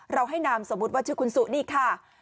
ให้นามสมมุติว่าชื่อคุณสุนี่ค่ะ